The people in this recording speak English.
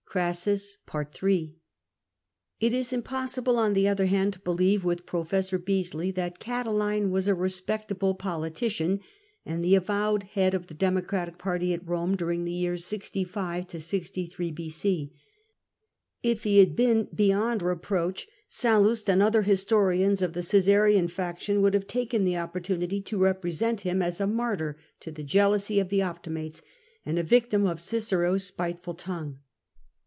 CEASSUS AND CATILINE 183 It is impossible, on the other hand, to believe (with Pro fessor Beesly) that Catiline was a respectable politician and the avowed head of the Democratic party at Eome during the years B.c. 65 63. If he had been beyond re proach, Sallust and other historians of the Caesarian faction would have taken the opportunity to represent Mm as a martyr to the jealousy of' the Optimates and a victim of Cicero's spiteful tongue.